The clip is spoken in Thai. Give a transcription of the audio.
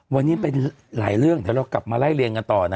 วันนี้เป็นหลายเรื่องเดี๋ยวเรากลับมาไล่เรียงกันต่อนะ